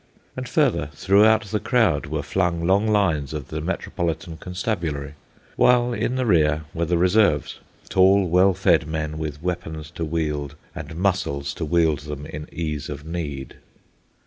And further, throughout the crowd, were flung long lines of the Metropolitan Constabulary, while in the rear were the reserves—tall, well fed men, with weapons to wield and muscles to wield them in ease of need.